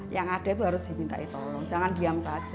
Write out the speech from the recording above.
yang ada itu harus diminta tolong jangan diam saja